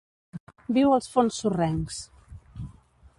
Viu als fons sorrencs.